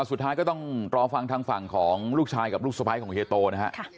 สุดท้ายก็ต้องรอฟังทางฝั่งของลูกชายกับลูกสะพ้ายของเฮียโตนะฮะ